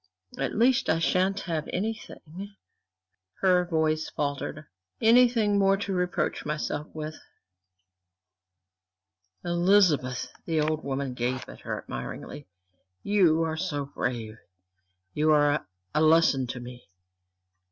At least I shan't have anything" her voice faltered "anything more to reproach myself with." "Elizabeth!" The older woman gazed up at her admiringly. "You are so brave you are a lesson to me!